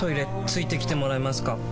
付いてきてもらえますか？